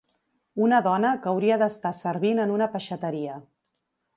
Una dona que hauria d’estar servint en una peixateria